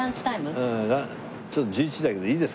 ちょっと１１時だけどいいですか？